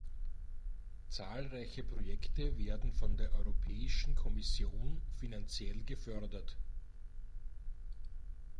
Zahlreiche Projekte werden von der Europäischen Kommission finanziell gefördert.